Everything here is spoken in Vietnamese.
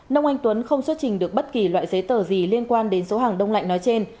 nông anh tuấn không xuất trình được bất kỳ loại giấy tờ gì liên quan đến số hàng đông lạnh nói trên